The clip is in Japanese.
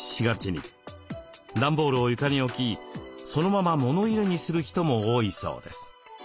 段ボールを床に置きそのまま物入れにする人も多いそうです。